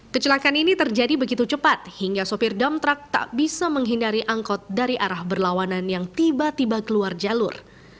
kecelakaan ini terjadi begitu cepat hingga sopir dam truck tak bisa menghindari angkot dari arah berlawanan yang tiba tiba keluar jalur